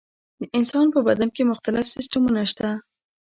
د انسان په بدن کې مختلف سیستمونه شته.